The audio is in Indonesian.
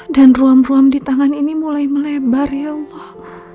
dan ruam ruam di tangan ini mulai melebar ya allah